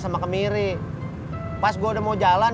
sama kemiri pas gue udah mau jalan